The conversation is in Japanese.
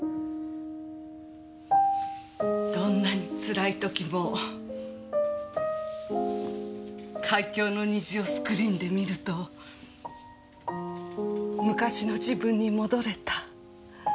どんなにつらい時も『海峡の虹』をスクリーンで観ると昔の自分に戻れた。